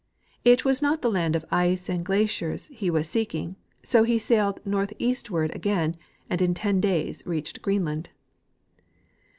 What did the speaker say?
It Avas not the land of ice and glaciers he was seeking, so he sailed northeastAvard again, and in ten days reached Greenland.